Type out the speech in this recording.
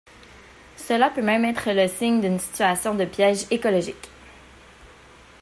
Cela peut même être le signe d'une situation de piège écologique.